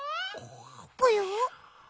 ぽよ？